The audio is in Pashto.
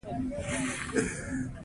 هره ناخواله له ځان سره معادل ګټه لري